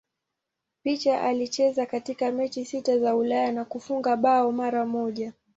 Pia alicheza katika mechi sita za Ulaya na kufunga bao mara moja.